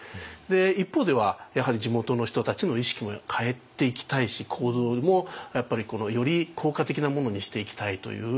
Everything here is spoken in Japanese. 一方ではやはり地元の人たちの意識も変えていきたいし行動もより効果的なものにしていきたいという。